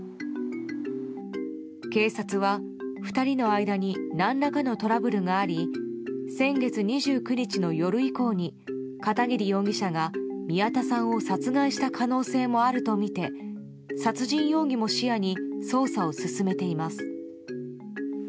警察は２人の間に何らかのトラブルがあり先月２９日の夜以降に片桐容疑者が宮田さんを殺害した可能性もあるとみて殺人容疑も視野に捜査を進めています。